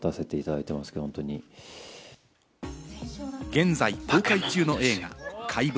現在、公開中の映画『怪物』。